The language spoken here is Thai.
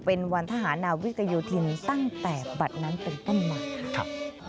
เป็นวันทหารนาวิกโยธินตั้งแต่บัตรนั้นเป็นต้นมาค่ะ